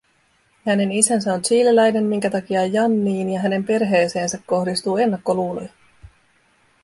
Hänen isänsä on chileläinen, minkä takia Janniin ja hänen perheeseensä kohdistuu ennakkoluuloja